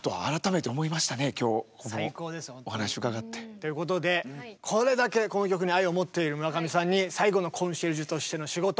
ということでこれだけこの曲に愛を持っている村上さんに最後のコンシェルジュとしての仕事。